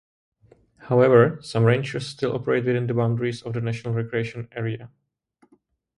However, some ranchers still operate within the boundaries of the National Recreation Area.